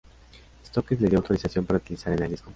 Stokes le dio la autorización para utilizarla en el disco.